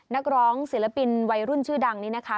นักร้องศิลปินวัยรุ่นชื่อดังนี้นะคะ